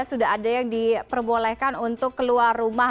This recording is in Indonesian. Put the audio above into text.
sudah ada yang diperbolehkan untuk keluar rumah